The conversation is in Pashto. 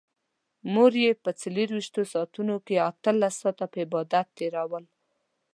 مور يې په څلرويشت ساعتونو کې اتلس ساعته په عبادت تېرول.